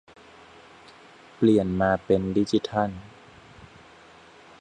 เปลี่ยนมาเป็นดิจิทัล